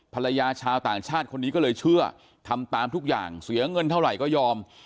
ชาวต่างชาติคนนี้ก็เลยเชื่อทำตามทุกอย่างเสียเงินเท่าไหร่ก็ยอม